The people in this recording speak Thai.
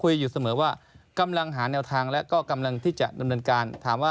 ก็คุยอยู่เดือนว่ากำลังหาเนียวทางและที่จะดรินการ